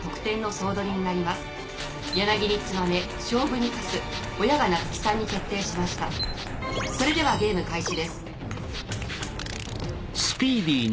それではゲーム開始です。